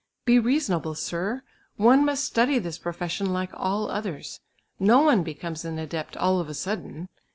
"Be reasonable, sir; one must study this profession like all others. No one becomes an adept all of a sudden.